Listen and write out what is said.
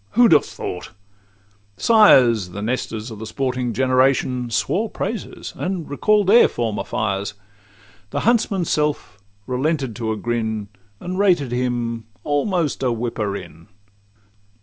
who 'd have thought it?'—Sires, The Nestors of the sporting generation, Swore praises, and recall'd their former fires; The huntsman's self relented to a grin, And rated him almost a whipper in.